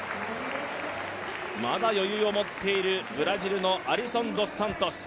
まだ余裕を持っているブラジルのアリソン・ドス・サントス。